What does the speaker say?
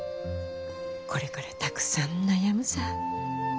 これからたくさん悩むさ。